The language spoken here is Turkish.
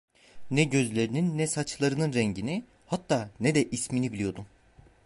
Ne gözlerinin, ne saçlarının rengini hatta ne de ismini biliyordum.